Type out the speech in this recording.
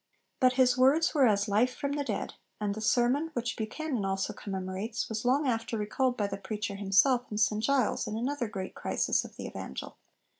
But his words were as life from the dead, and the sermon, which Buchanan also commemorates, was long after recalled by the preacher himself in St Giles, in another great crisis of the Evangel.